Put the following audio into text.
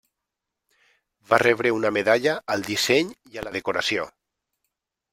Va rebre una medalla al disseny i a la decoració.